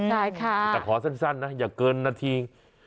ใช่ค่ะแต่ขอสั้นนะอย่าเกินนาที